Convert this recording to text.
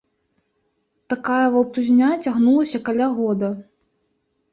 Такая валтузня цягнулася каля года.